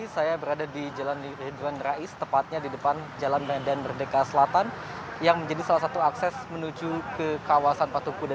saya berada di jalan hidran rais tepatnya di depan jalan medan merdeka selatan yang menjadi salah satu akses menuju ke kawasan patung kuda